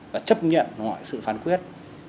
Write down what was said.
và chấp nhận ngoại sự phán quyết